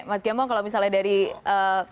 mas giambo kalau misalnya dari eee